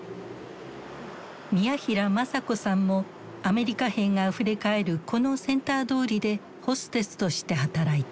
宮平昌子さんもアメリカ兵があふれかえるこのセンター通りでホステスとして働いた。